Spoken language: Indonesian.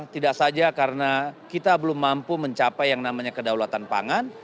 tidak saja karena kita belum mampu mencapai yang namanya kedaulatan pangan